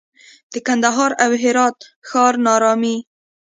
د کندهار او هرات ښار ناارامي